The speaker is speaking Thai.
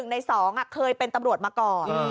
ใน๒เคยเป็นตำรวจมาก่อน